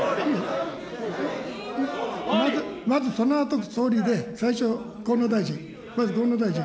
まずそのあとに総理で、最初、河野大臣。